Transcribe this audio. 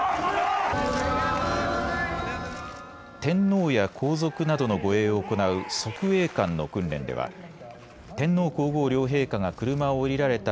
天皇や皇族などの護衛を行う側衛官の訓練では天皇皇后両陛下が車を降りられた